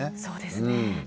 そうですね。